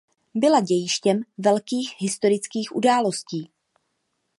Byla dějištěm velkých historických událostí.